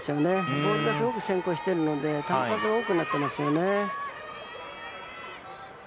ボールがすごく先行しているので球数が多くなってますよね。